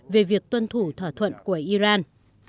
về việc tuân thủ thỏa thuận của iran